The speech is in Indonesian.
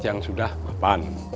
yang sudah mapan